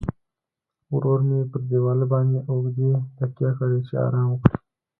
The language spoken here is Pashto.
ورو مې پر دیواله باندې اوږې تکیه کړې، چې ارام وکړم.